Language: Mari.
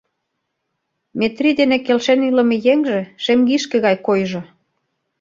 Метрий дене келшен илыме еҥже шемгишке гай койжо!